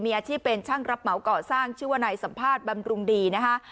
มีอาชีพเป็นช่างรับเหมาก่อสร้างชื่อว่านายสัมภาษณ์บำรุงดีนะคะ